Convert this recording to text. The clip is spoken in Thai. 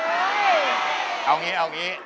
เฮ้ยเอาอย่างนี้